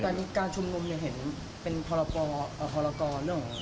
ตอนนี้การชุมงมเห็นเป็นพอละกอเรื่อง